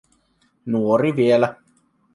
Nuori vielä.